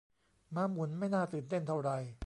ม้าหมุนไม่น่าตื่นเต้นเท่าไหร่